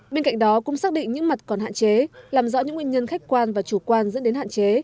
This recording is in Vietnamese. bên cạnh đó cũng xác định những mặt còn hạn chế làm rõ những nguyên nhân khách quan và chủ quan dẫn đến hạn chế